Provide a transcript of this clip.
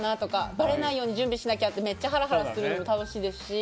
バレないように準備しなきゃとかハラハラするの楽しいですし。